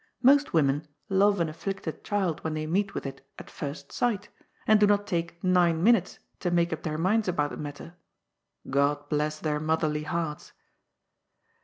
Most women love an afflicted child, when they meet with it, at first sight, and' do not take nine minutes to make up their minds about the matter. God bless their motherly hearts